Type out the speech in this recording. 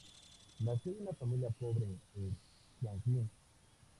Nació de una familia pobre en Tianjin.